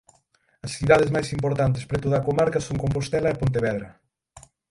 As cidades máis importantes preto da comarca son Compostela e Pontevedra.